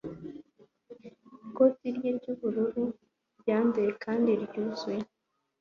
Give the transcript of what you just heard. ikoti rye ry'ubururu ryanduye kandi ryuzuye